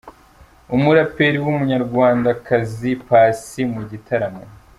Umuraperi w’umunyarwandakazi paci mu gitaramo